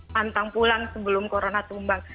pantang pulang sebelum corona tumbang